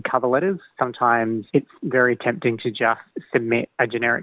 kadang kadang sangat menarik untuk menulis surat lamaran generik